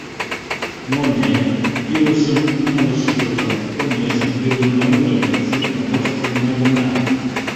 Но ме, илышым умылышыжо-влак, конешне, тӱрлӧ номерым да цифрым воштылына гына!